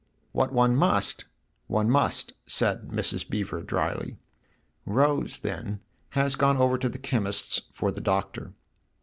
"What one must one must," said Mrs. Beever dryly. "' Rose/ then, has gone over to the chemist's for the Doctor."